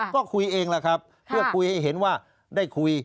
ก็คุยเองแหละครับเพื่อคุยให้เห็นว่าได้คุย